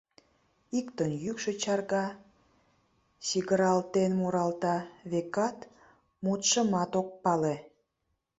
Иктын йӱкшӧ чарга, сигыралтен муралта, векат, мутшымат ок пале.